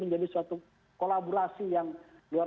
menjadi suatu kolaborasi yang sangat berhasil